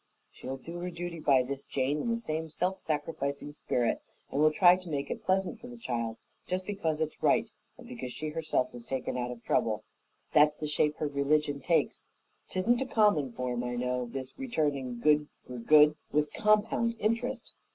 She'll do her duty by this Jane in the same self sacrificing spirit, and will try to make it pleasant for the child just because it's right and because she herself was taken out of trouble. That's the shape her religion takes. 'Tisn't a common form, I know this returning good for good with compound interest.